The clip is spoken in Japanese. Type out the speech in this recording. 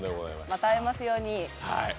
また会えますように。